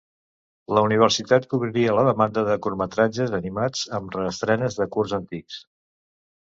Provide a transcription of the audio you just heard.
La Universal cobriria la demanda de curtmetratges animats amb reestrenes de curts antics.